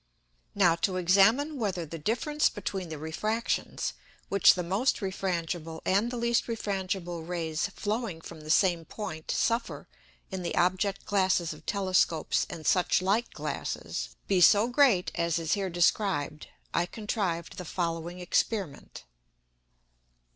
Now to examine whether the Difference between the Refractions, which the most refrangible and the least refrangible Rays flowing from the same Point suffer in the Object glasses of Telescopes and such like Glasses, be so great as is here described, I contrived the following Experiment.